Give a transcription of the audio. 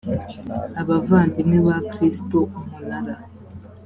abavandimwe ba kristo umunara